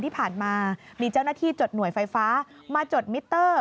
ที่ผ่านมามีเจ้าหน้าที่จดหน่วยไฟฟ้ามาจดมิเตอร์